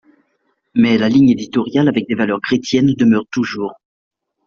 Mais la ligne éditoriale avec des valeurs chrétiennes demeure toujours.